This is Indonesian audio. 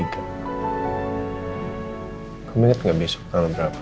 kamu inget gak besok tanggal berapa